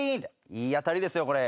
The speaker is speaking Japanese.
いい当たりですよこれ。